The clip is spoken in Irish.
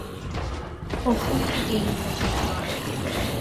Ó chuaigh i gcéin mo ghile mear